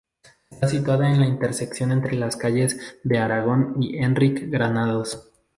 Está situada en la intersección entre las calles de Aragón y Enric Granados.